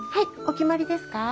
お決まりですか？